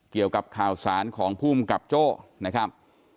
เกี่ยวกับข่าวสารของภูมิกับโจ้นะครับ